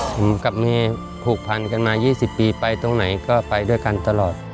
ผมกับเมย์ผูกพันกันมา๒๐ปีไปตรงไหนก็ไปด้วยกันตลอด